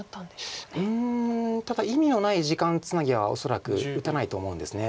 うんただ意味のない時間つなぎは恐らく打たないと思うんです。